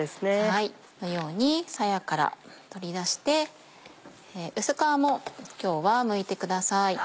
このようにさやから取り出して薄皮も今日はむいてください。